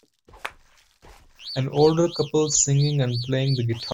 An older couple singing and playing the guitar.